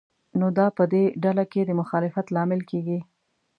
نو دا په دې ډله کې د مخالفت لامل کېږي.